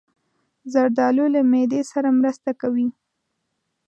زردالو له معدې سره مرسته کوي.